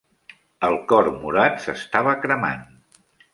El cor morat s'estava cremant.